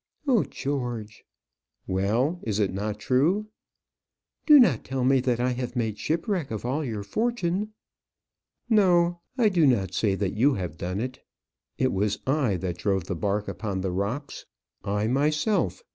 "Oh, George!" "Well, is it not true?" "Do not tell me that I have made shipwreck of all your fortune!" "No; I do not say that you have done it. It was I that drove the bark upon the rocks; I myself.